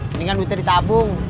mendingan duitnya ditabung